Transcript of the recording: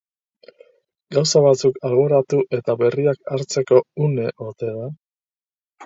Gauza batzuk alboratu eta berriak hartzeko une ote da?